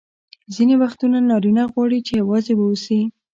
ځیني وختونه نارینه غواړي چي یوازي واوسي.